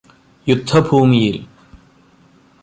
യുദ്ധഭൂമിയില്